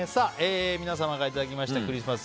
皆様からいただきましたクリスマス！